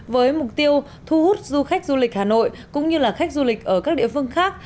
với mục tiêu thu hút du khách du lịch hà nội cũng như là khách du lịch ở các địa phương khác